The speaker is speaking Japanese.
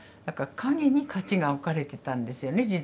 だから影に価値が分かれてたんですよね。